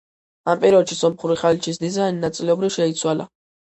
ამ პერიოდში სომხური ხალიჩის დიზაინი ნაწილობრივ შეიცვალა.